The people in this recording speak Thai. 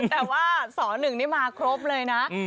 แต่ว่าส่อหนึ่งมาครบเลยนะ